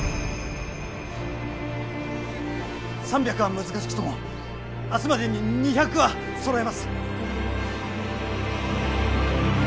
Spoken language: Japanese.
３００は難しくとも明日までに２００はそろえます。